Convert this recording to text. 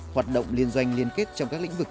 hoạt động liên doanh liên kết trong các lĩnh vực